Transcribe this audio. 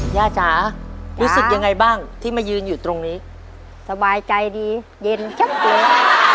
จ๋ารู้สึกยังไงบ้างที่มายืนอยู่ตรงนี้สบายใจดีเย็นเข้มตัว